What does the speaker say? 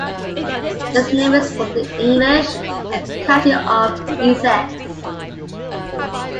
Its name is from the English county of Essex.